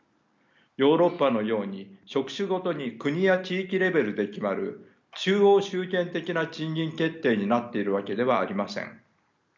ヨーロッパのように職種ごとに国や地域レベルで決まる中央集権的な賃金決定になっているわけではありません。